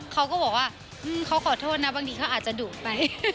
เขาก็บอกว่าเขาขอโทษนะบางทีเขาอาจจะดูดไป